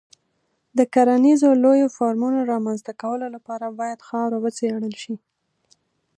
د کرنیزو لویو فارمونو رامنځته کولو لپاره باید خاوره وڅېړل شي.